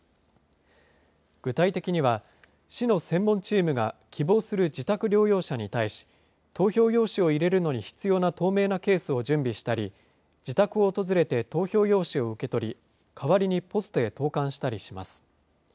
具体的には、市の専門チームが希望する自宅療養者に対し、投票用紙を入れるのに必要な透明なケースを準備したり、自宅を訪れて投票用紙を受け取り、代わりにポストへ投かんしたりします。